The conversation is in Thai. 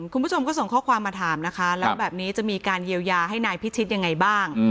คุณผู้ชมก็ส่งข้อความมาถามนะคะแล้วแบบนี้จะมีการเยียวยาให้นายพิชิตยังไงบ้าง